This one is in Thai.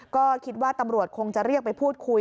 ก็คิดว่าตำรวจคงจะเรียกไปพูดคุย